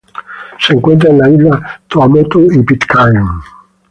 Se encuentra en las islas Tuamotu y Pitcairn.